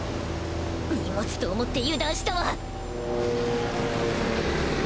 荷物と思って油断したわっ！